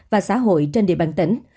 và xã hội trên địa bàn tỉnh